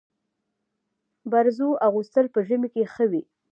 برزو اغوستل په ژمي کي ښه وي.